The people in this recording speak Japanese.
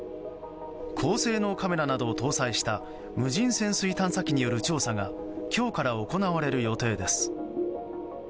高性能カメラなどを搭載した無人潜水探査機による調査が今日から行われる予定です。